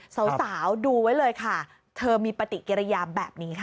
สาวดูไว้เลยค่ะเธอมีปฏิกิริยามแบบนี้ค่ะ